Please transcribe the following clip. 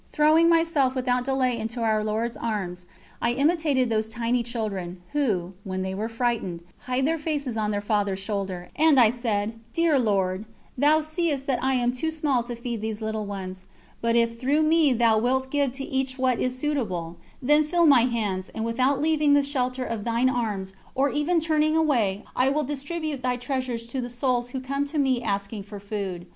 Throwing myself without delay into Our Lord's Arms, I imitated those tiny children, who, when they are frightened, hide their faces on their father's shoulder, and I said: "Dear Lord, Thou seest that I am too small to feed these little ones, but if through me Thou wilt give to each what is suitable, then fill my hands, and without leaving the shelter of Thine Arms, or even turning away, I will distribute Thy treasures to the souls who come to me asking for food.